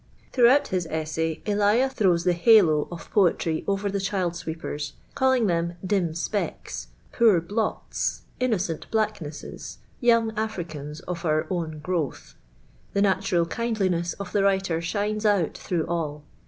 Tiirouglmut his essay, Eiia throws the halo of pocrlry over tliu child sweepers, calling them " dim spcLks," "poor blots," "innocent blacknesses," *'y<:iin;^ Africans of our own growth;" tho natural kindliness of the writer shines out through all.